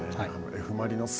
Ｆ・マリノス